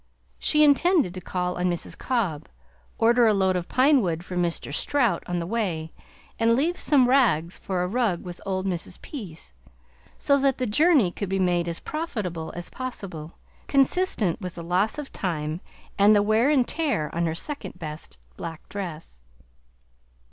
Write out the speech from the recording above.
She intended to call on Mrs. Cobb, order a load of pine wood from Mr. Strout on the way, and leave some rags for a rug with old Mrs. Pease, so that the journey could be made as profitable as possible, consistent with the loss of time and the wear and tear on her second best black dress.